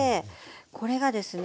これがですね